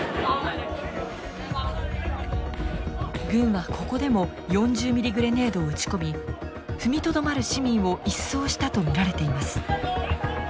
軍はここでも４０ミリグレネードを撃ち込み踏みとどまる市民を一掃したと見られています。